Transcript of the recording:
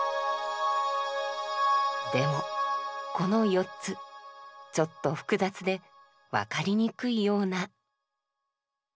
でもこの４つちょっと複雑で分かりにくいような。